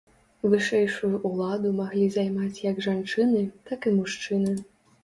Вышэйшую ўладу маглі займаць як жанчыны, так і мужчыны.